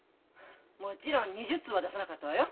もちろん２０通は出さなかったわよ。